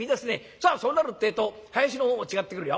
さあそうなるってえと囃子の方も違ってくるよ」。